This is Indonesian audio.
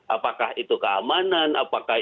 apakah itu keamanan apakah